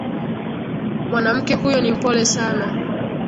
Mwanamke huyo ni mpole sana